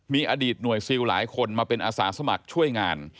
มีอดีตหน่วยซิลหลายคนมาเป็นอาสาสมัครช่วยงาน